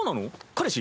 彼氏？